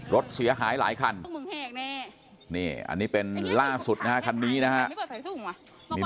รถเสียหายหลายคันอันนี้เป็นล่าสุดคันนี้นะครับ